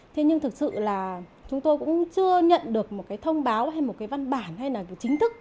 thế nhưng thực sự là chúng tôi cũng chưa nhận được một cái thông báo hay một cái văn bản hay là chính thức